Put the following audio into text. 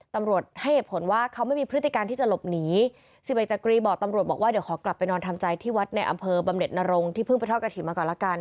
ตำรวจให้เหตุผลว่าเขาไม่มีพฤติการที่จะหลบหนีสิบเอกจักรีบอกตำรวจบอกว่าเดี๋ยวขอกลับไปนอนทำใจที่วัดในอำเภอบำเน็ตนรงที่เพิ่งไปทอดกระถิ่นมาก่อนละกัน